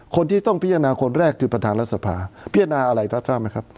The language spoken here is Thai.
คนที่ต้องพิจารณาคนแรกคือประธานรัฐสภาพิจารณาอะไรท่านทราบไหมครับ